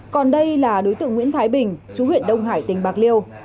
còn đây là đối tượng nguyễn thái bình chú huyện đông hải tỉnh bạc liêu